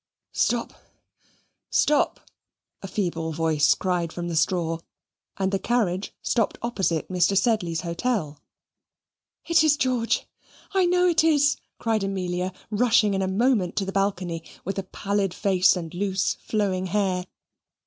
"Stop! stop!" a feeble voice cried from the straw, and the carriage stopped opposite Mr. Sedley's hotel. "It is George, I know it is!" cried Amelia, rushing in a moment to the balcony, with a pallid face and loose flowing hair.